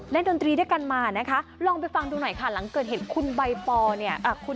เล่นดนตรีได้กันมาค่ะลองไปฟังดูหน่อยค่ะหลังเกิดเห็นคุณใบ๊ปอโกรธ